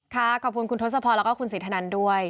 ค่ะขอบคุณคุณทศพและคุณศรีฐนันตร์ด้วย